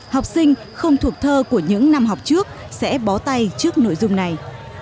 học sinh không thuộc thơ của những năm học trước sẽ bó tay trước nội dung này